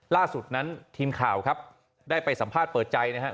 ล่าสุดนั้นทีมข่าวครับได้ไปสัมภาษณ์เปิดใจนะครับ